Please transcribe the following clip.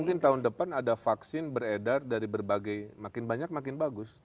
mungkin tahun depan ada vaksin beredar dari berbagai makin banyak makin bagus